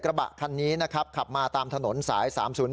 กระบะคันนี้นะครับขับมาตามถนนสาย๓๐๑